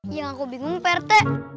yang aku bingung pak rt